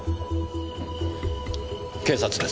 警察です。